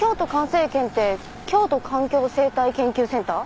生研って京都環境生態研究センター？